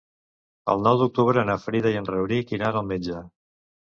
El nou d'octubre na Frida i en Rauric iran al metge.